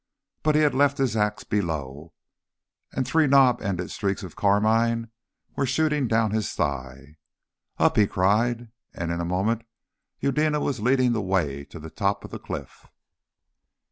But he had left his axe below, and three knob ended streaks of carmine were shooting down his thigh. "Up!" he cried, and in a moment Eudena was leading the way to the top of the cliff.